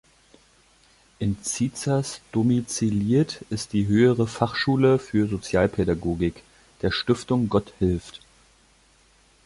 In Zizers domiziliert ist die "Höhere Fachschule für Sozialpädagogik" der Stiftung Gott hilft.